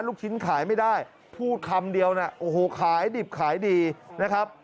ลูกชิ้นขายไม่ได้พูดคำเดียวนะโอ้โหขายดิบขายดีนะครับ